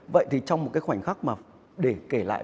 vậy thì trong một khoảnh khắc để kể lại